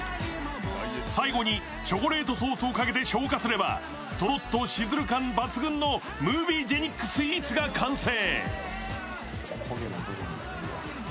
最後にチョコレートソースをかけて消火すれば、とろっとシズル感抜群のムービージェニックスイーツが完成。